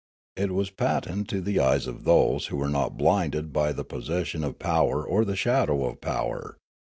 It was patent to the eyes of those who were not blinded by the posses sion of power or the shadow of power.